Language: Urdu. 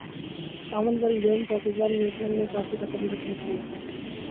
کامن ویلتھ گیمزپاکستانی ریسلر نے کانسی کا تمغہ جیت لیا